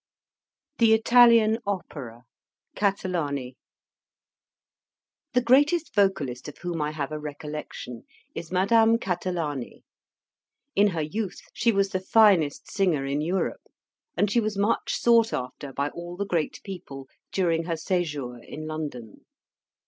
THE ITALIAN OPERA. CATALANI The greatest vocalist of whom I have a recollection, is Madame Catalani. In her youth, she was the finest singer in Europe, and she was much sought after by all the great people during her sejour in London.